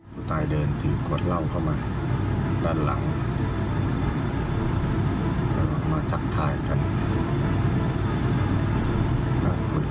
กล้องวงจรปิดในร้านอาหารตามสั่งเท่าไหร่